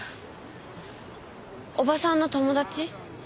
伯母さんの友達？